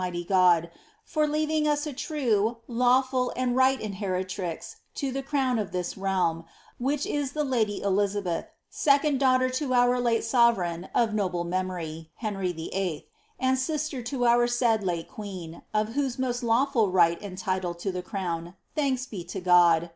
iy God, for leaving to us a true, lawful, and right inheritrix to tlie crown cfthi« realm, which is the lady Elisabeth, second daughter to our late sovereign, of noble nncmory, Henry VIIL, and sister to our said late queen, of whose most lawful right and title to the crown, tlianks be to God.